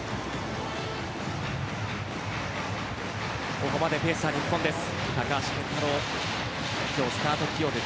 ここまでペースは日本です。